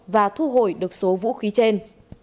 và thu hồi được số vũ khí trên